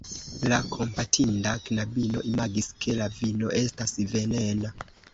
La kompatinda knabino imagis, ke la vino estas venena.